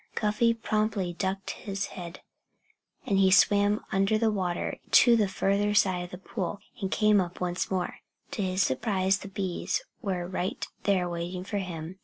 Cuffy promptly ducked his head. And he swam under water to the further side of the pool and came up once more. To his surprise the bees were right there waiting for him.